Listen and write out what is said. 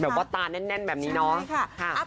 แบบบล็อกตาแนนแน่นแบบนี้เนาะ